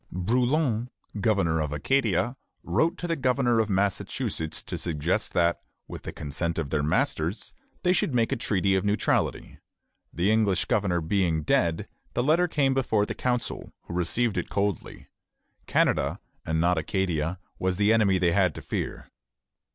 Brouillan, governor of Acadia, wrote to the governor of Massachusetts to suggest that, with the consent of their masters, they should make a treaty of neutrality. The English governor being dead, the letter came before the council, who received it coldly. Canada, and not Acadia, was the enemy they had to fear.